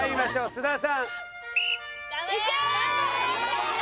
須田さん。